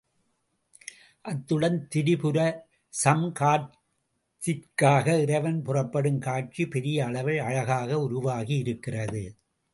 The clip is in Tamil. அத்துடன் திரிபுர சம்காரத்திற்காக இறைவன் புறப்படும் காட்சி பெரிய அளவில் அழகாக உருவாகி இருக்கிறது.